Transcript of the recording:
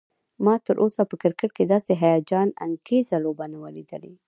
ما تراوسه په کرکټ کې داسې هيجان انګیزه لوبه نه وه لیدلی